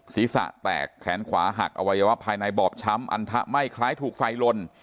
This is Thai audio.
ศีรษะแตกแขนขวาหักอวัยวะภายในบอบช้ำอันทะไหม้คล้ายถูกไฟลน